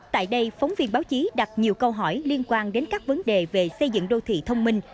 tại đây phóng viên báo chí đặt nhiều câu hỏi liên quan đến các vấn đề về xây dựng đô thị thông minh